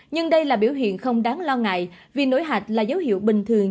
nhưng đây là biểu hiện không đáng lo ngại vì nổi hạch là dấu hiệu bình thường